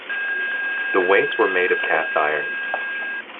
The weights were made of cast iron.